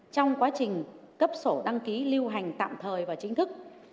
trong quá trình cấp sổ đăng ký lưu hành tạm thời và chính thức